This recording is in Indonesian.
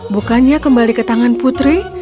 bukannya kembali ke tangan putri